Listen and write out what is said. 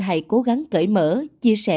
hãy cố gắng cởi mở chia sẻ